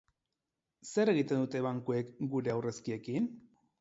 Zer egiten dute bankuek gure aurrezkiekin?